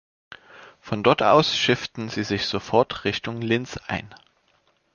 Von dort aus schifften sie sich sofort Richtung Linz ein.